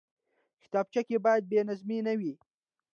کتابچه کې باید بېنظمي نه وي